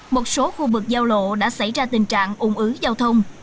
một số khu vực giao lộ đã xảy ra tình trạng ủng ứ giao thông